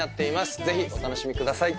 ぜひお楽しみください。